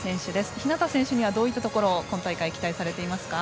日向選手にはどういったところを今大会、期待されていますか？